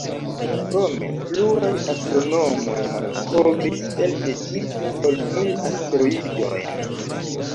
Krome, pluraj astronomoj malkovris elde ĝi pli ol mil asteroidojn.